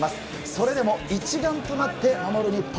それでも一丸となって守る日本。